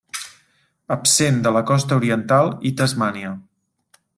Absent de la costa oriental i Tasmània.